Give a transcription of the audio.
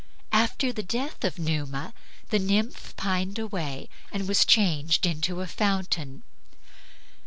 After the death of Numa the nymph pined away and was changed into a fountain.